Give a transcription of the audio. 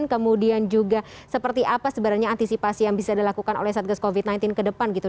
kemudian juga seperti apa sebenarnya antisipasi yang bisa dilakukan oleh satgas covid sembilan belas ke depan gitu